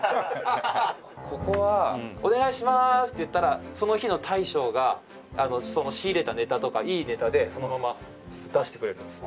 ここはお願いしますって言ったらその日の大将が仕入れたネタとかいいネタでそのまま出してくれるんですよ。